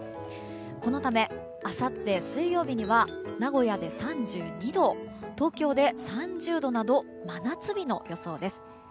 このため、あさって水曜日には名古屋で３２度東京で３０度など真夏日の予想です。